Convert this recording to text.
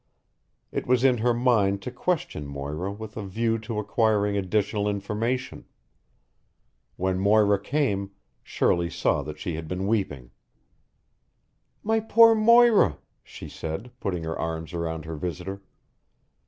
It was in her mind to question Moira with a view to acquiring additional information. When Moira came, Shirley saw that she had been weeping. "My poor Moira!" she said, putting her arms around her visitor.